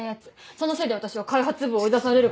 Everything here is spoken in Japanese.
そのせいで私は開発部を追い出されることになって。